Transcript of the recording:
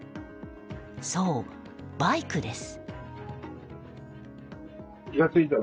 そう、バイクです。